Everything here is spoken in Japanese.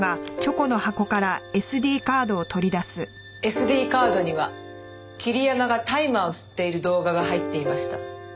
ＳＤカードには桐山が大麻を吸っている動画が入っていました。